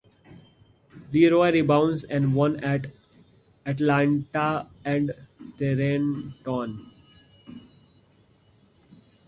LeeRoy rebounded and won at Atlanta and Trenton.